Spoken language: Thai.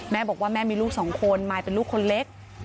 แม่บอกว่าแม่มีลูกสองคนมายเป็นลูกคนเล็ก